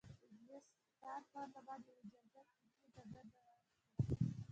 د انګلستان پارلمان یوې جرګه ګۍ ته دنده ورکړه.